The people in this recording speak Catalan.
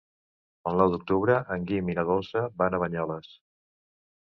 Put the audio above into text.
El nou d'octubre en Guim i na Dolça van a Banyoles.